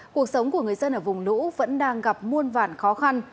cuộc sống của người dân ở vùng lũ vẫn đang gặp muôn vản khó khăn